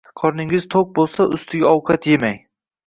Qorningiz to‘q bo‘lsa, ustiga ovqat yemang.